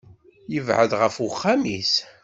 Yebɛed ɣef uxxam-is.